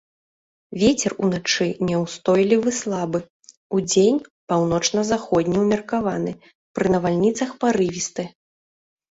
Вецер уначы няўстойлівы слабы, удзень паўночна-заходні ўмеркаваны, пры навальніцах парывісты.